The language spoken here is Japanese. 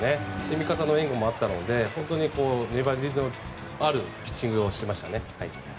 味方の援護もあったので粘りのあるピッチングをしましたね。